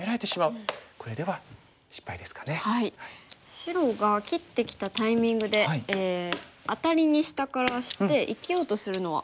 白が切ってきたタイミングでアタリに下からして生きようとするのはどうでしょうか？